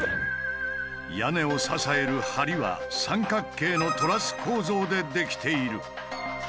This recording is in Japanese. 屋根を支える梁は三角形のトラス構造でできている。